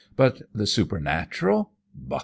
But the supernatural! Bah!